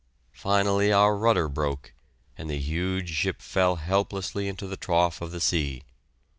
Finally our rudder broke, and the huge ship fell helplessly into the trough of the sea.